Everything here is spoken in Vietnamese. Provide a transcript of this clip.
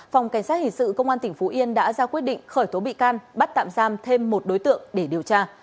phòng cảnh sát hình sự công an tỉnh phú yên đã ra quyết định khởi tố bị can bắt tạm giam thêm một đối tượng để điều tra